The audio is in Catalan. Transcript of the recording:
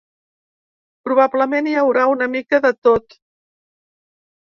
Probablement, hi haurà una mica de tot.